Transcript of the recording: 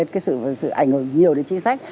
cái sự ảnh hưởng nhiều đến chính sách